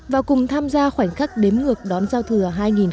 và cùng tham gia khoảnh khắc đếm ngược đón giao thừa hai nghìn một mươi chín